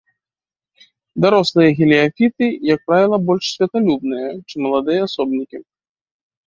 Дарослыя геліяфіты, як правіла, больш святлалюбныя, чым маладыя асобнікі.